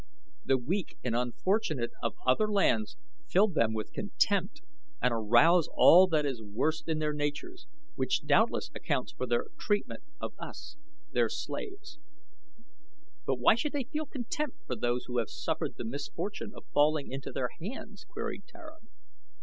The weak and unfortunate of other lands fill them with contempt and arouse all that is worst in their natures, which doubtless accounts for their treatment of us, their slaves." "But why should they feel contempt for those who have suffered the misfortune of falling into their hands?" queried Tara.